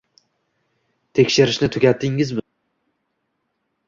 Tekshirishni tugatdingizmi?